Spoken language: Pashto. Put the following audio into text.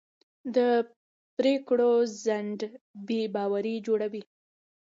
د پرېکړو ځنډ بې باوري جوړوي